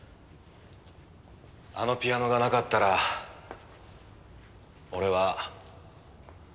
あのピアノがなかったら俺は。